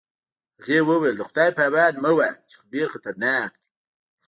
هغې وویل: د خدای په امان مه وایه، چې ډېر خطرناک دی.